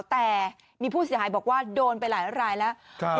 แต่มีผู้เสียหายบอกว่าโดนไปหลายรายแล้ว